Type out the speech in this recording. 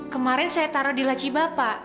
kemarin saya taruh di laci bapak